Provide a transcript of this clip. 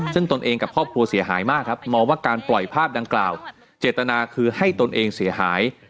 ซึ่งตนเองกับครอบครัวเสียหายมากครับมองว่าการปล่อยภาพดังกล่าวเจตนาคือให้ตนเองเสียหาย